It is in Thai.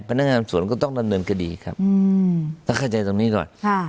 พนักงานสวนก็ต้องดำเนินคดีครับต้องเข้าใจตรงนี้ก่อน